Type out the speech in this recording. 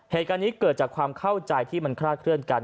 เหตุการณ์นี้เกิดจากความเข้าใจที่มันคลาดเคลื่อนกัน